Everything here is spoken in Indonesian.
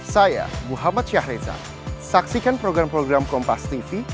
saya muhammad syahriza saksikan program program kompas tv